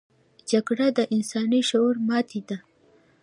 جګړه د انساني شعور ماتې ده